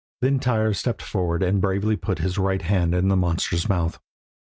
Then Tyr stepped forward and bravely put his right hand in the monster's mouth.